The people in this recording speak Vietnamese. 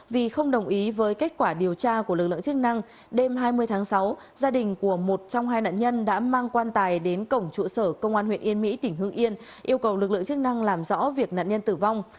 vì không đồng ý với kết quả điều tra của lực lượng chức năng đêm hai mươi tháng sáu gia đình của một trong hai nạn nhân đã mang quan tài đến cổng trụ sở công an huyện yên mỹ tỉnh hương yên yêu cầu lực lượng chức năng làm rõ việc nạn nhân tử vong